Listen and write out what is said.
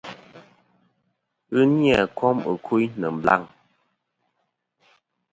Ghɨ ni-a kôm kuyn nɨ̀ blaŋ.